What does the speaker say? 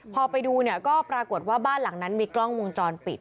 พอไปดูเนี่ยก็ปรากฏว่าบ้านหลังนั้นมีกล้องวงจรปิด